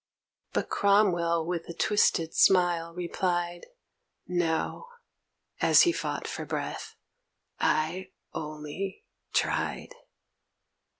But Cromwell with a twisted smile replied 'No!' as he fought for breath 'I only tried!'